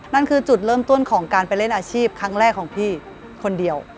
นั่นคือจุดเริ่มต้นของการไปเล่นอาชีพครั้งแรกของพี่คนเดียว